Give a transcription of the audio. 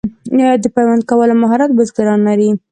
د پیوند کولو مهارت بزګران لري.